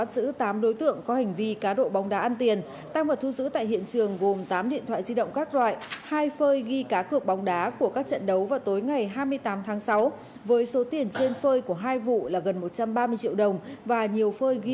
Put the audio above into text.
xin chào và hẹn gặp lại trong các bản tin tiếp theo